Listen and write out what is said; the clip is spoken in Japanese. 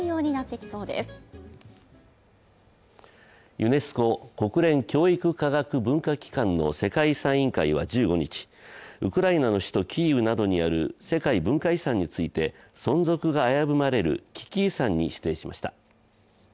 ユネスコ＝国連教育科学文化機関の世界遺産委員会は１５日、ウクライナの首都キーウなどにある世界文化遺産について存続が危ぶまれる危機遺産に指定しました。